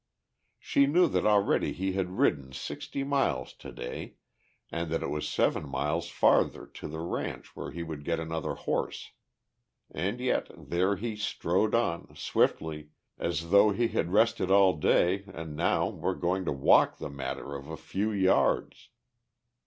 She knew that already he had ridden sixty miles today and that it was seven miles farther to the ranch where he would get another horse. And yet there he strode on, swiftly, as though he had rested all day and now were going to walk the matter of a few yards.